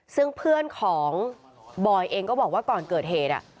ซึ่งเพื่อนของบอยเองก็บอกว่าก่อนเกิดเหตุ